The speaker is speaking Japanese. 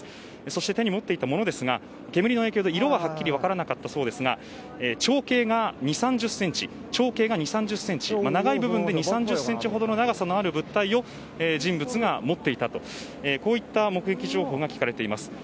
そして手に持ってたものですが煙の影響で色ははっきりと分からなかったそうですが長径が２０３０ｃｍ長い部分で２０３０ｃｍほどの長さがあるものを男が持っていたとこういった目撃情報が聞かれています。